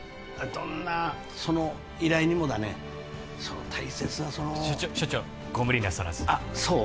どんなその依頼にもだね大切なその所長所長ご無理なさらずあっそう？